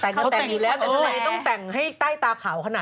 แต่งก็แต่งอยู่แล้วแต่ทำไมต้องแต่งให้ใต้ตาขาวขนาด